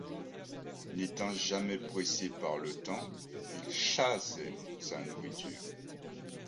N’étant jamais pressé par le temps, il chassait sa nourriture.